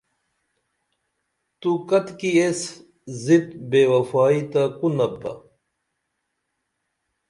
تو کتکی ایس ضد بےوفائی تہ کنُپ بہ